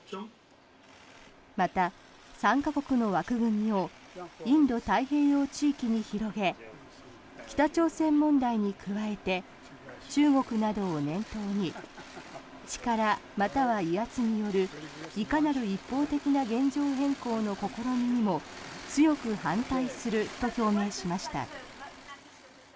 また、３か国の枠組みをインド太平洋地域に広げ北朝鮮問題に加えて中国などを念頭に力または威圧によるいかなる一方的な現状変更の試みにも強く反対すると表明しました。